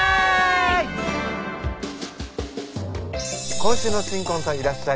今週の新婚さんいらっしゃい！